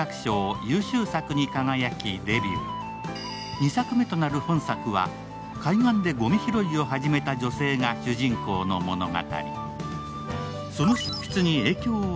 ２作目となる本作は海岸でごみ拾いを始めた女性が主人公の物語。